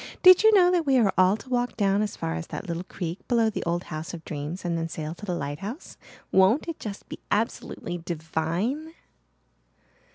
Did you know that we are all to walk down as far as that little creek below the old House of Dreams and then sail to the lighthouse? Won't it just be absolutely divine?"